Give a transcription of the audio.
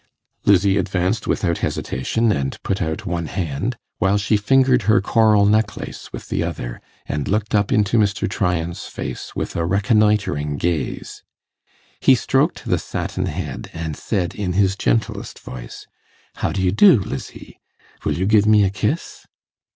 Lizzie advanced without hesitation, and put out one hand, while she fingered her coral necklace with the other, and looked up into Mr. Tryan's face with a reconnoitring gaze. He stroked the satin head, and said in his gentlest voice, 'How do you do, Lizzie? will you give me a kiss?